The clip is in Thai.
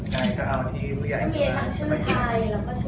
ทางชื่อไทยและก็ชื่อแพทย์